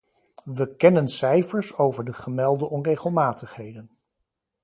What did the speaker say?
We kennen cijfers over de gemelde onregelmatigheden.